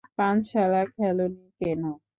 পানশালা খোলোনি কেন?